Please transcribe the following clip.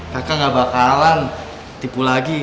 mereka gak bakalan tipu lagi